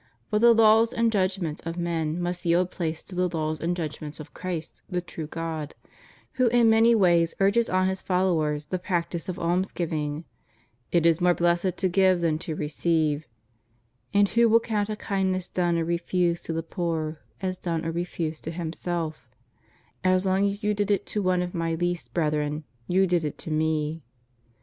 But the laws and judgments of men must yield place to the laws and judgments of Christ the true God, who in many ways urges on His followers the practice of alms giving— It is more blessed to give than to receive; ^ and who will count a kindness done or refused to the poor as done or refused to Himself — As long as you did it to one of My least brethren, you did it to Me.